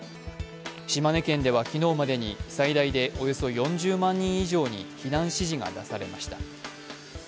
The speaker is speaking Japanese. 島根県では昨日までに最大でおよそ４０万人以上に避難指示が出されました。